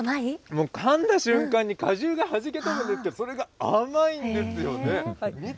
もうかんだ瞬間に果汁がはじけ飛ぶんですけど、それが甘いんですよね！